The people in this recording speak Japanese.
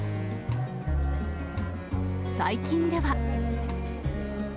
最近では。